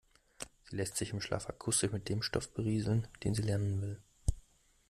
Sie lässt sich im Schlaf akustisch mit dem Stoff berieseln, den sie lernen will.